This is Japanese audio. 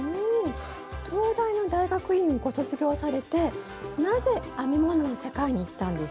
東大の大学院をご卒業されてなぜ編み物の世界にいったんですか？